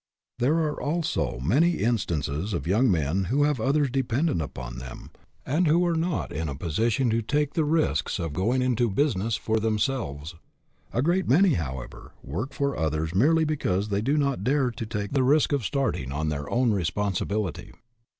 There are, also, many instances of young men who have others dependent upon them, and who are not in a position to take the risks of going into busi ness for themselves. A great many, however, work for others merely because they do not dare to take the risk of starting on their own responsibility.